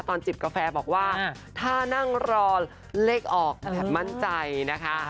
ตอนจิบกาแฟบอกว่าท่านั่งรอเล็กออกแผ่นมั่นใจนะคะ